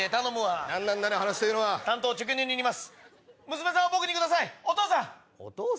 娘さんを僕にくださいお義父さん。